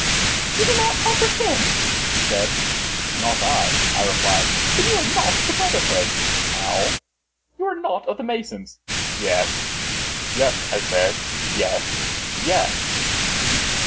"You do not comprehend?" he said. "Not I," I replied. "Then you are not of the brotherhood." "How?" "You are not of the masons." "Yes, yes," I said, "yes, yes."